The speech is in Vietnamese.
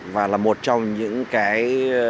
và là một trong những cái